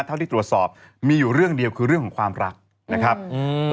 เท่าที่ตรวจสอบมีอยู่เรื่องเดียวคือเรื่องของความรักนะครับอืม